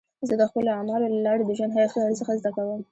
زه د خپلو اعمالو له لارې د ژوند حقیقي ارزښت زده کوم.